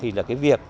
thì là cái việc